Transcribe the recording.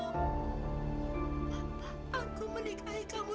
kenapa kamu menikahi aku